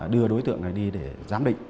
đưa đối tượng này đi để giám định